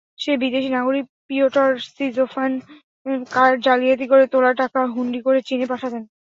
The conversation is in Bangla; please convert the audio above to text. বিদেশি নাগরিক পিওটর সিজোফেন কার্ড জালিয়াতি করে তোলা টাকা হুন্ডি করে চীনে পাঠাতেন।